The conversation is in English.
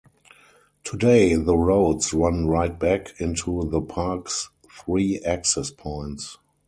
Today the roads run right back into the park's three access points.